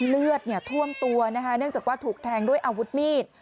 เลือดท่วมตัวนะคะเนื่องจากว่าถูกแทงด้วยอาวุธมีด